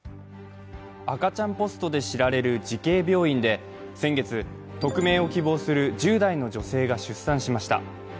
赤ちゃんポストで知られる慈恵病院で先月、匿名を希望する１０代の女性が出産しました。